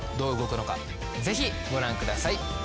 ぜひご覧ください。